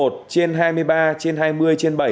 hai nghìn hai mươi một trên hai mươi ba trên hai mươi trên bảy